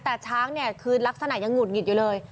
แต่ช้างเนี่ยคือลักษณะยังหุดหงิดอยู่เลย